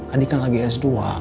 adik kan lagi s dua